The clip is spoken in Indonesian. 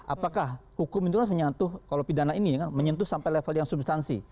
apakah hukum itu kan menyentuh kalau pidana ini kan menyentuh sampai level yang substansi